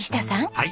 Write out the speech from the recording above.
はい。